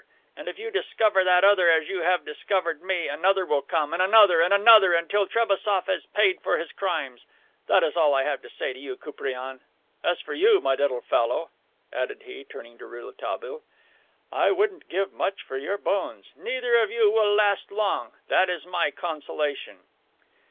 And if you discover that other, as you have discovered me, another will come, and another, and another, until Trebassof has paid for his crimes. That is all I have to say to you, Koupriane. As for you, my little fellow," added he, turning to Rouletabille, "I wouldn't give much for your bones. Neither of you will last long. That is my consolation."